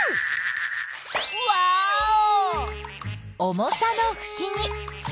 重さのふしぎ。